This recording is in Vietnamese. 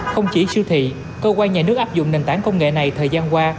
không chỉ siêu thị cơ quan nhà nước áp dụng nền tảng công nghệ này thời gian qua